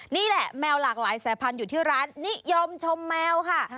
นี่แหละแมวหลากหลายสายพันธุ์อยู่ที่ร้านนิยมชมแมวค่ะ